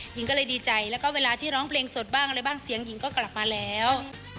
หญิงก็เลยดีใจแล้วก็เวลาที่ร้องเพลงสดบ้างอะไรบ้างเสียงหญิงก็กลับมาแล้ว